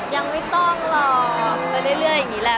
ยังไม่ต้องหรอกไปเรื่อยอย่างนี้แหละ